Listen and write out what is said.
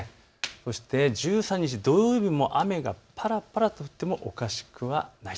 そして１３日土曜日も雨がぱらぱらと降ってもおかしくはない。